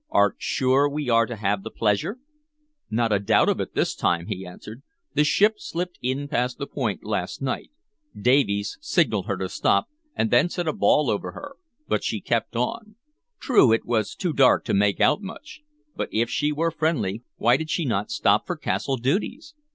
"Art sure we are to have the pleasure?" "Not a doubt of it this time," he answered. "The ship slipped in past the Point last night. Davies signaled her to stop, and then sent a ball over her; but she kept on. True, it was too dark to make out much; but if she were friendly, why did she not stop for castle duties?